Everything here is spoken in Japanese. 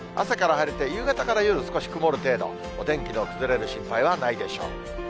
朝から晴れて夕方から夜、少し曇る程度、お天気の崩れる心配はないでしょう。